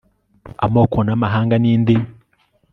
amoko n amahanga n indimi